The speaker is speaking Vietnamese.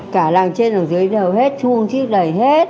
cả làng trên ở dưới đầu hết chung chiếc đầy hết